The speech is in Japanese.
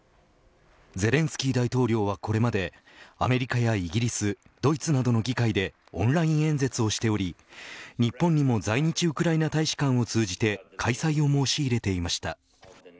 ゼレンスキー大統領はこれまでアメリカやイギリスドイツなどの議会でオンライン演説をしており日本にも在日ウクライナ大使館を通じて開催を申し入れていました。